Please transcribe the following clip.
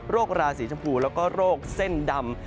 ราศีชมพูแล้วก็โรคเส้นดำ